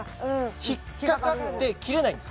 引っ掛かって切れないんです